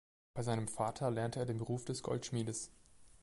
Bei seinem Vater lernte er den Beruf des Goldschmiedes.